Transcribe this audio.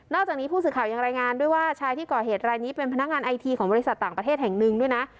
จากนี้ผู้สื่อข่าวยังรายงานด้วยว่าชายที่ก่อเหตุรายนี้เป็นพนักงานไอทีของบริษัทต่างประเทศแห่งหนึ่งด้วยนะ